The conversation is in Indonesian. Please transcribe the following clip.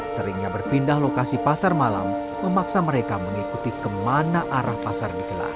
seringnya berpindah lokasi pasar malam memaksa mereka mengikuti kemana arah pasar dikelar